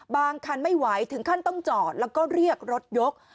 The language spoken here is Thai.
คันไม่ไหวถึงขั้นต้องจอดแล้วก็เรียกรถยก